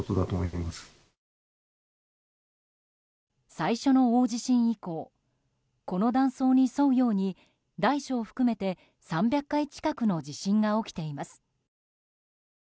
最初の大地震以降この断層に沿うように大小含めて３００回近くの地震が起きています。